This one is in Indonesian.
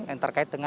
yang terakhir adalah